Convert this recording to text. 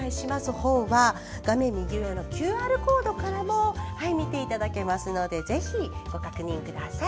本は画面右上のＱＲコードからも見ていただけますのでぜひ、ご確認ください。